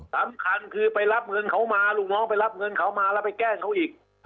สำคัญคือไปรับเงินเขามาลูกน้องไปรับเงินเขามาแล้วไปแกล้งเขาอีก